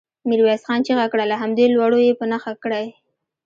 ميرويس خان چيغه کړه! له همدې لوړو يې په نښه کړئ.